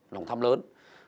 lòng tham lớn